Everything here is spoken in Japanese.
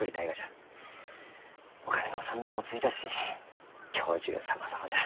お金の算段もついたし教授様々じゃ。